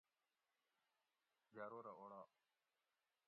جارورہ اوڑال